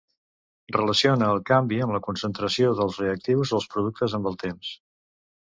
Relaciona el canvi en la concentració dels reactius o els productes amb el temps.